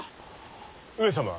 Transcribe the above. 上様。